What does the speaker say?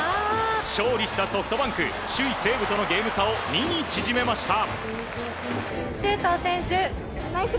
勝利したソフトバンク首位、西武とのゲーム差を２に縮めました。